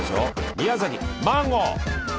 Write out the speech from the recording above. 宮崎マンゴー！